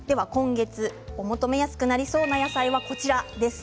今月、お求めやすくなりそうな野菜はこちらです。